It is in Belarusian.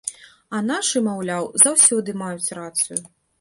А нашы, маўляў, заўсёды маюць рацыю.